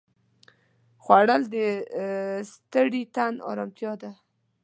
خوړل د ستړي تن ارامتیا ده